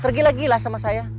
tergi lagi lah sama saya